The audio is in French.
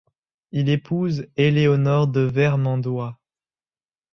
Il épouse Eléonore de Vermandois.